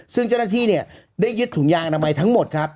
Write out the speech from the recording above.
ซึ่งเจ้าหน้าที่เนี่ยได้ยึดถุงยางอนามัยทั้งหมดครับ